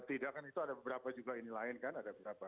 tidak kan itu ada beberapa juga ini lain kan ada beberapa